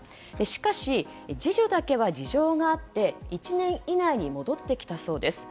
しかし、次女だけは事情があって１年以内に戻ってきたそうです。